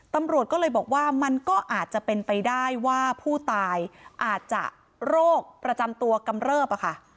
ตำรวจก็เลยบอกว่ามันก็อาจจะเป็นไปได้ว่าผู้ตายอาจจะโรคประจำตัวกำเริบอะค่ะ